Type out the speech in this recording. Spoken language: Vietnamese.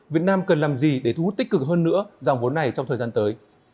việt nam cần làm gì để thu hút tích cực hơn nữa dòng vốn này trong thời gian tới